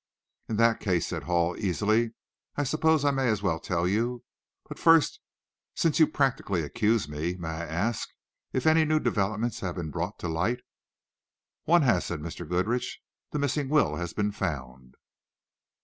"In that case," said Hall easily, "I suppose I may as well tell you. But first, since you practically accuse me, may I ask if any new developments have been brought to light?" "One has," said Mr. Goodrich. "The missing will has been found."